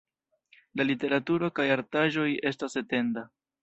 La literaturo kaj artaĵoj estas etenda.